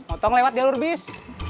otong lewat jalur bis